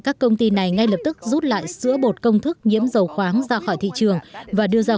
các công ty này ngay lập tức rút lại sữa bột công thức nhiễm dầu khoáng ra khỏi thị trường và đưa ra